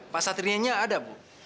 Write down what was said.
pak satria nya ada bu